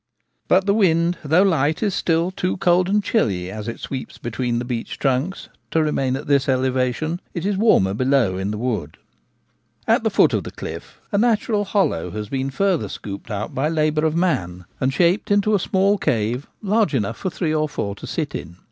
But the wind, though light, is still too cold and chilly as it sweeps between the beech trunks to remain at this elevation ; it is warmer below in the wood. At the foot of the cliff a natural hollow has been further scooped out by labour of man, and shaped into a small cave large enough for three or four to sit in.